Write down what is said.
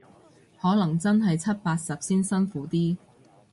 可能真係七八十先辛苦啲